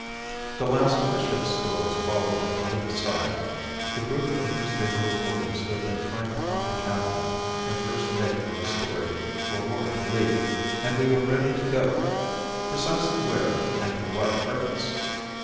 The last of the ship's stores followed it over the side: the group of newspaper reporters who had been trying to pump the captain and first mate for a story were warned to leave, and we were ready to go. Precisely where and for what purpose?